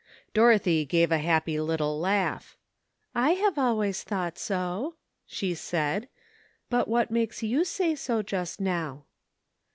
Dorothy gave a happy little laugh. *'I have always thought so," she said; "but what makes you say so just now